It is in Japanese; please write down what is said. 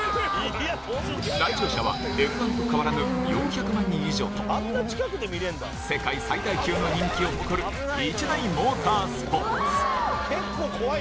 来場者はＦ１と変わらぬ４００万人以上と世界最大級の人気を誇る一大モータースポーツ。